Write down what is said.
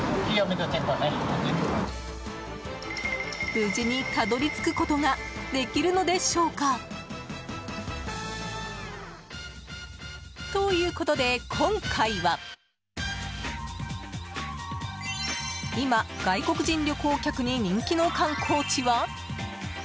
無事にたどり着くことができるのでしょうか。ということで、今回は今、外国人旅行客に人気の観光地は？